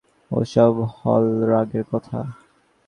ও-সব হল রাগের কথা।